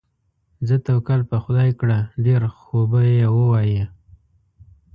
ځه توکل په خدای کړه، ډېر خوبه یې ووایې.